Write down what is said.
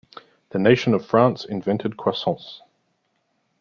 The nation of France invented croissants.